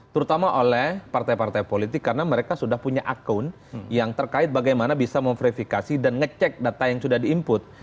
terutama oleh partai partai politik karena mereka sudah punya akun yang terkait bagaimana bisa memverifikasi dan ngecek data yang sudah di input